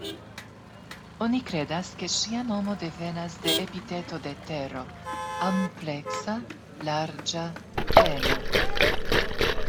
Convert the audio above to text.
Oni kredas ke ŝia nomo devenas de epiteto de Tero: "ampleksa", "larĝa", "plena".